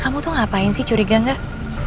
kamu tuh ngapain sih curiga gak